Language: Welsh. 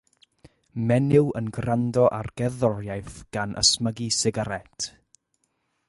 Menyw yn gwrando ar gerddoriaeth gan ysmygu sigarét.